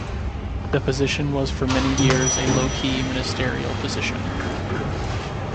The position was for many years a low key ministerial position.